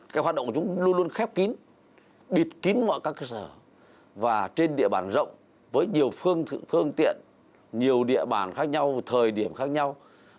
cái hoạt động của chúng luôn luôn khép kín bịt kín mọi các cơ sở và trên địa bàn rộng với nhiều phương phương tiện nhiều địa bàn khác nhau thời điểm khác nhau